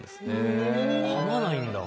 噛まないんだ。